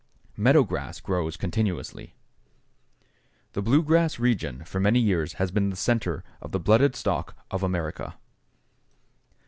Meadow grass grows continuously. The Blue Grass Region for many years has been the centre of the blooded stock of America.